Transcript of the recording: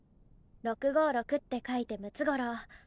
６５６って書いてムツゴロウ。